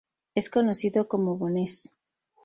Es conocido como "Bones".